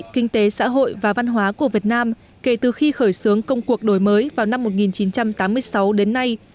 kinh tế xã hội và văn hóa của việt nam kể từ khi khởi xướng công cuộc đổi mới vào năm một nghìn chín trăm tám mươi sáu đến nay